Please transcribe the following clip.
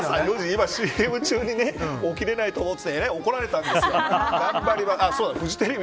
今ＣＭ中に起きれないと思ってえらい怒られたんです。